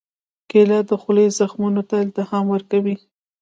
کېله د خولې زخمونو ته التیام ورکوي.